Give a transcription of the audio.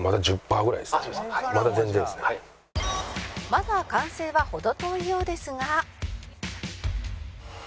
「まだ完成は程遠いようですが」